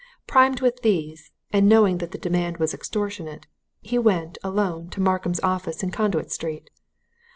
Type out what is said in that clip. Primed with these, and knowing that the demand was extortionate, he went, alone, to Markham's office in Conduit Street.